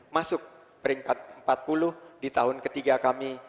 masuk peringkat empat puluh di tahun ketiga kami